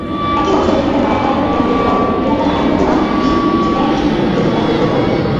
একই বছর, তিনি তার মায়ের পারিবারিক নাম গ্রহণ করেন এবং তার আইনগত নাম "লিউ জিমেইজি"-এ রূপান্তরিত করেন।